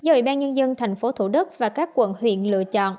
ủy ban nhân dân tp hcm và các quận huyện lựa chọn